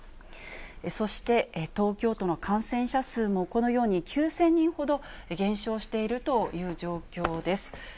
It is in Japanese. そして東京都の感染者数も、このように９０００人ほど減少しているという状況です。